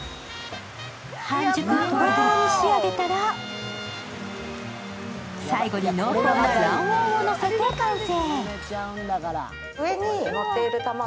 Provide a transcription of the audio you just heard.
半熟とろとろに仕上げたら最後に濃厚な卵黄をのせて完成。